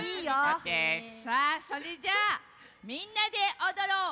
さあそれじゃあみんなでおどろう